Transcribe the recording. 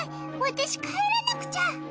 私帰らなくちゃ！